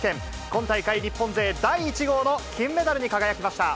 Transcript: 今大会、日本勢第１号の金メダルに輝きました。